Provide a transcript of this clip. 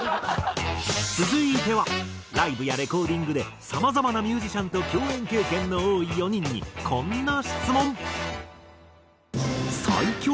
続いてはライブやレコーディングでさまざまなミュージシャンと共演経験の多い４人にこんな質問。